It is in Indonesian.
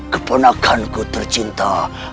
keponakan ku tercinta